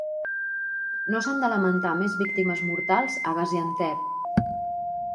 No s'han de lamentar més víctimes mortals a Gaziantep